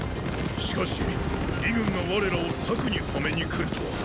しかし魏軍が我らを策にはめにくるとは。